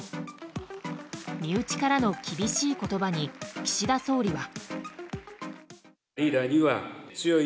身内からの厳しい言葉に岸田総理は。